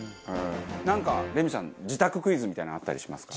なんかレミさん自宅クイズみたいなのあったりしますか？